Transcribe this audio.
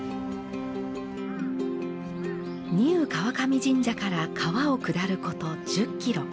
丹生川上神社から川を下ること１０キロ。